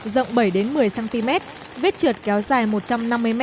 rộng bảy một mươi cm vết trượt kéo dài một trăm năm mươi m